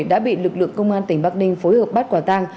đã bị lực lượng công an tỉnh bắc đinh phối hợp bắt quả tăng